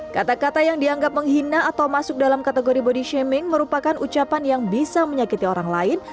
kata kata yang dianggap menghina atau masuk dalam kategori body shaming merupakan ucapan yang bisa menyakiti orang lain